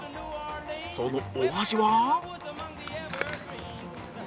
そのお味は